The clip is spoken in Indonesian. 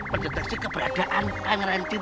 mengeteksi keberadaan kamera emisim